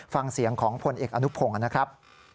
ฟังเสียงของพลเอกอนุพงศ์นะครับ